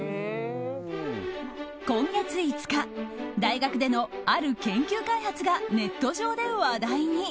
今月５日、大学でのある研究開発がネット上で話題に。